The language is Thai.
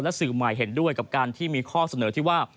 สื่อใหม่เห็นด้วยกับการที่มีข้อเสนอที่ว่า